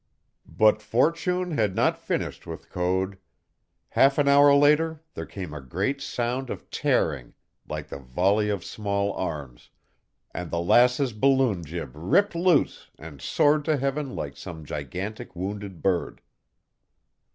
But fortune had not finished with Code. Half an hour later there came a great sound of tearing like the volley of small arms, and the Lass's balloon jib ripped loose and soared to heaven like some gigantic wounded bird.